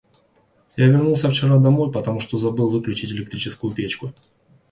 Я вернулся вчера домой, потому что забыл выключить электрическую печку.